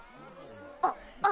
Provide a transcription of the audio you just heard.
あっあれ！